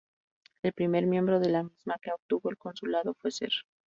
El primer miembro de la misma que obtuvo el consulado fue Ser.